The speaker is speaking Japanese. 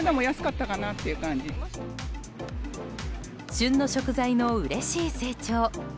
旬の食材のうれしい成長。